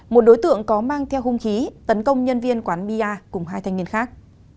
một đối tượng có mang theo hung khí tấn công nhân viên quán bia cùng hai thanh niên khác